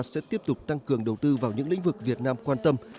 sẽ tiếp tục tăng cường đầu tư vào những lĩnh vực việt nam quan tâm